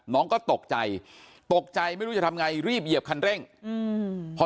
น้องก็ตกใจตกใจไม่รู้จะทำไงรีบเหยียบคันเร่งอืมพอ